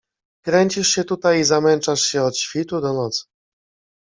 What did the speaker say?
Kręcisz się tutaj i zamęczasz się od świtu do nocy…